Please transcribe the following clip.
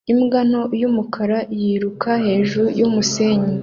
Imbwa nto y'umukara yiruka hejuru y'umusenyi